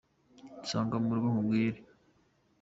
nsanga murugo nkubwire